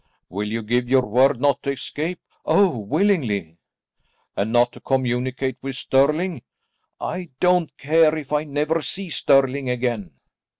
"Will you give your word not to escape?" "Oh, willingly." "And not to communicate with Stirling?" "I don't care if I never see Stirling again."